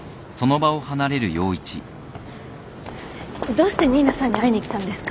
どうして新名さんに会いに来たんですか？